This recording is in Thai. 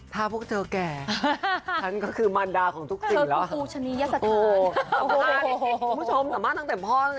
ถ้าพูดเจ้าแก่มันก็คือมารดาของทุกสิ่งแล้วเรารีวิวสามารถเลย